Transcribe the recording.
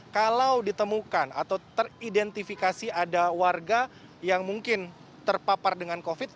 kalau ditemukan atau teridentifikasi ada warga yang mungkin terpapar dengan covid